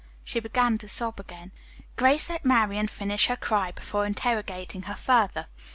She began to sob again. Grace let Marian finish her cry before interrogating her further.